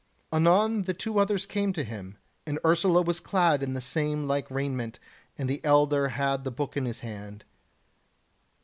Anon the two others came to him, and Ursula was clad in the same like raiment and the elder had the book in his hand.